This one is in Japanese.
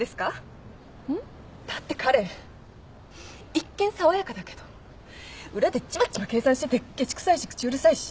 んっ？だって彼一見爽やかだけど裏でちまちま計算しててケチくさいし口うるさいし。